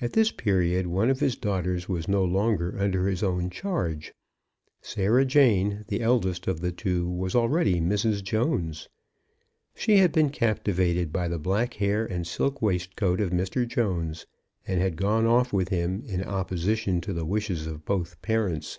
At this period one of his daughters was no longer under his own charge. Sarah Jane, the eldest of the two, was already Mrs. Jones. She had been captivated by the black hair and silk waistcoat of Mr. Jones, and had gone off with him in opposition to the wishes of both parents.